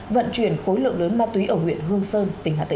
vận chuyển khối lượng lớn ma túy ở huyện hương sơn